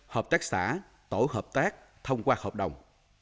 hợp tác xã tổ hợp tác thông qua hợp đồng